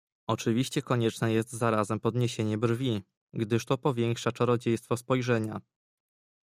"Oczywiście konieczne jest zarazem podniesienie brwi, gdyż to powiększa czarodziejstwo spojrzenia."